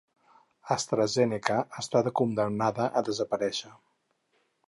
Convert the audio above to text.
AstraZeneca està condemnada a desaparèixer.